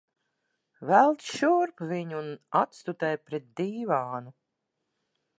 Velc šurp viņu un atstutē pret dīvānu.